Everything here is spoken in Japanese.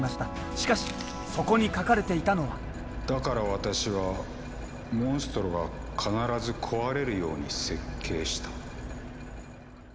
しかしそこに書かれていたのは「だから私はモンストロが必ず壊れるように設計した」。